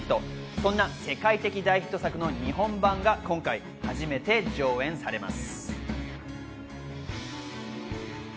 そんな世界的大ヒットの日本版が今回、初めて上演されます。